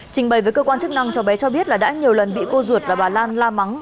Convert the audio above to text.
trình bày với cơ quan chức năng cháu bé cho biết là đã nhiều lần bị cô ruột và bà lan la mắng